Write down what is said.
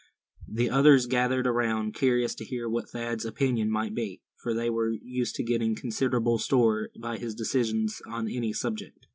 The others gathered around, curious to hear what Thad's opinion might be; for they were used to setting considerable store by his decisions on any subject.